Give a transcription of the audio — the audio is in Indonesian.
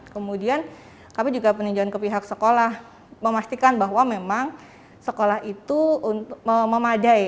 kemudian kami juga peninjauan ke pihak sekolah memastikan bahwa memang sekolah itu memadai